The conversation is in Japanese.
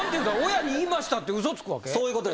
親に言いましたって嘘つくわけ？